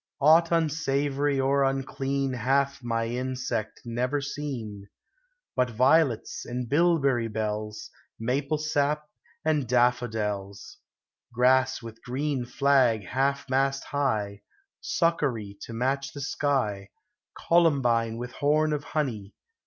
Aught unsavory or unclean Hath my insect never seen ; But violets, and bilberry bells, Maple sap, and daft'odels, Grass with green Hag half mast high, Succory to match the sky, Columbine with horn of honey.